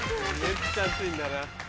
めっちゃ熱いんだな。